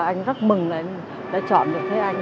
anh rất mừng là đã chọn được thế anh